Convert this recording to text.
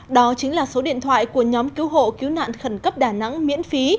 đó chính là số điện thoại của nhóm cứu hộ cứu nạn khẩn cấp đà nẵng miễn phí